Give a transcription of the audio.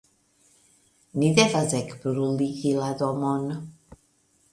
Ni devas ekbruligi la domon.